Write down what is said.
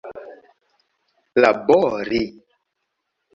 labori